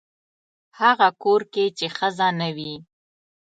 هغه کور کې چې ښځه نه وي.